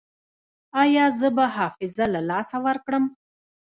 ایا زه به حافظه له لاسه ورکړم؟